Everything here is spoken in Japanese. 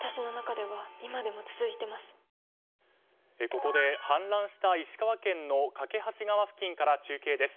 ここで氾濫した石川県の梯川付近から中継です。